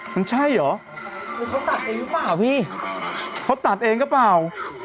มันใช่หรอเขาตัดเองก็เปล่าพี่เขาตัดเองก็เปล่า